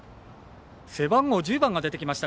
背番号１０番が出てきました